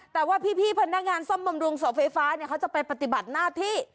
แต่ว่าพี่พนักงานซ่อมบำรุงเสาไฟฟ้าเนี่ยเขาจะไปปฏิบัติหน้าที่